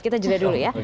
kita juda dulu ya